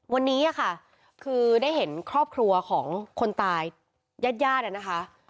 วันนี้ค่ะคือได้เห็นครอบครัวของคนตายญาติญาตินะคะ